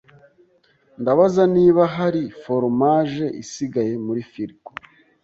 Ndabaza niba hari foromaje isigaye muri firigo.